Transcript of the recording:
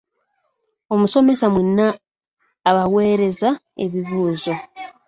Omusomesa mwenna abaaweereza ebibuuzo.